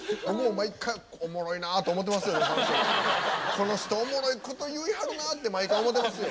「この人おもろいこと言いはるな」って毎回思ってますよ。